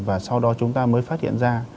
và sau đó chúng ta mới phát hiện ra